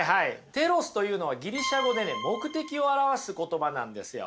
テロスというのはギリシャ語でね目的を表す言葉なんですよ。